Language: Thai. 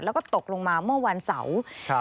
แล้วก็ตกลงมาเมื่อวันเสาร์ครับ